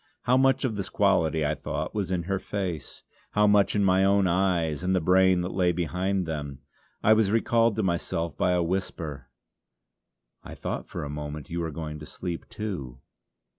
How much of this quality I thought, was in her face, how much in my own eyes and the brain that lay behind them. I was recalled to myself by a whisper: "I thought for a moment you were going to sleep too.